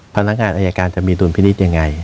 พนักงานอายการจะมีดุลพินิษฐ์ยังไง